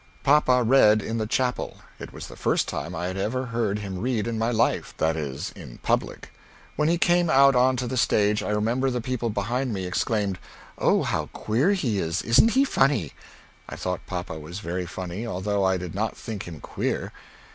Papa read in the chapell. It was the first time I had ever heard him read in my life that is in public. When he came out on to the stage I remember the people behind me exclaimed "Oh how queer he is! Isn't he funny!" I thought papa was very funny, although I did not think him queer.